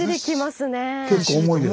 結構重いですね。